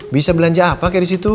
bisa belanja apa kayak disitu